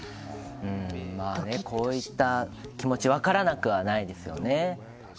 こういった気持ち分からなくもないですね。